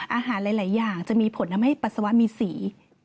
อาหารหลายอย่างจะมีผลทำให้ปัสสาวะมีสี